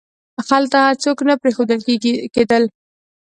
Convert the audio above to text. هلته څوک نه پریښودل کېدل.